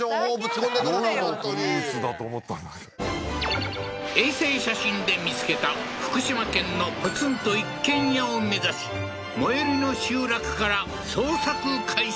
本当に衛星写真で見つけた福島県のポツンと一軒家を目指し最寄りの集落から捜索開始